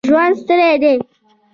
ژوند ستړی دی